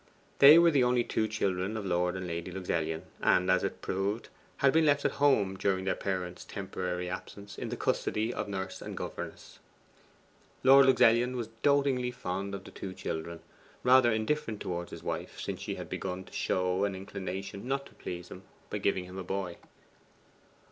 They were the only two children of Lord and Lady Luxellian, and, as it proved, had been left at home during their parents' temporary absence, in the custody of nurse and governess. Lord Luxellian was dotingly fond of the children; rather indifferent towards his wife, since she had begun to show an inclination not to please him by giving him a boy.